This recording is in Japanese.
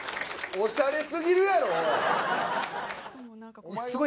おしゃれすぎるやろ、おい！